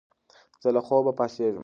زه له خوبه پاڅېږم.